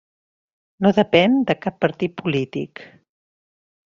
No depèn de cap partit polític.